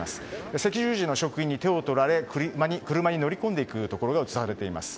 赤十字の職員に手を取られ車に乗り込んでいくところが映されていました。